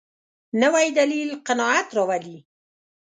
نوی دلیل قناعت راولي